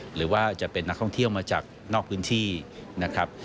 หรือว่าจะเป็นนักท่องเที่ยวมาจากนอกพื้นที่นะครับ